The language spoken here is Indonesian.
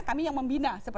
kami yang membina